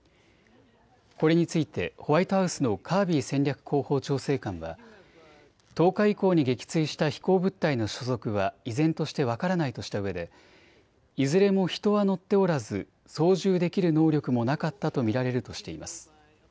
これについてホワイトハウスのカービー戦略広報調整官は１０日以降に撃墜した飛行物体の所属は依然として分からないとしたうえでいずれも人は乗っておらず操縦できる能力もなかったと見られるとしています。